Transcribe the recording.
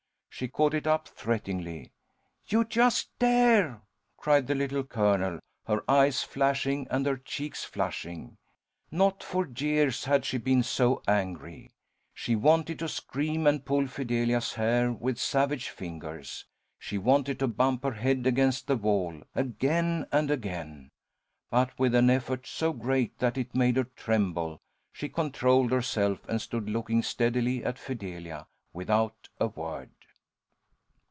She caught it up threateningly. "You just dare!" cried the Little Colonel, her eyes flashing and her cheeks flushing. Not for years had she been so angry. She wanted to scream and pull Fidelia's hair with savage fingers. She wanted to bump her head against the wall, again and again. But with an effort so great that it made her tremble, she controlled herself, and stood looking steadily at Fidelia without a word.